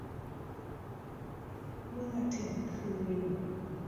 เมื่อถึงคืน